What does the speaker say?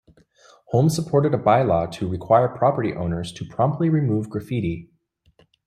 Holmes supported a bylaw to require property owners to promptly remove graffiti.